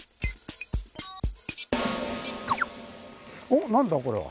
おっ何だ？